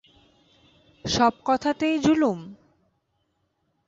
সব কথাতেই জুলুম?